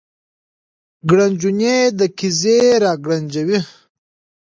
ګړنجونې د قیزې را ګړنجوي